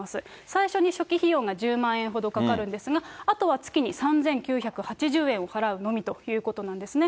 最初に初期費用が１０万円ほどかかるんですが、あとは月に３９８０円を払うのみということなんですね。